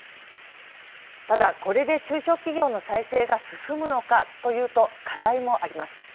ただ、これで中小企業の再生が進むのかというと課題もあります。